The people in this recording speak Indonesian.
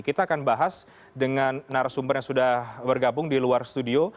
kita akan bahas dengan narasumber yang sudah bergabung di luar studio